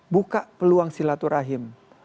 buka peluang silaturahim